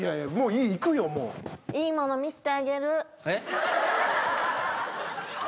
いいもの見せてあげる。